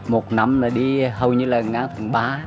một năm là đi hầu như là ngang tháng ba